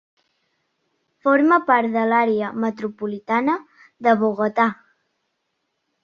Forma part de l'àrea metropolitana de Bogotà.